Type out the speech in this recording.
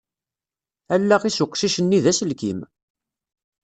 Allaɣ-is uqcic-nni d aselkim.